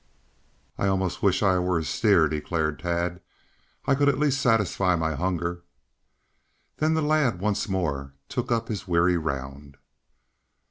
"I almost wish I were a steer," declared Tad. "I could at least satisfy my hunger." Then the lad once more took up his weary round.